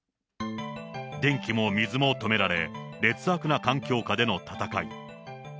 電気も水も止められ、劣悪な環境下での戦い。